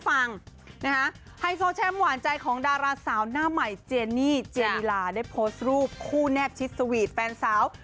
ปรากฏว่าเขาไปแท็กทีมกันค่ะกับแฟนเก่า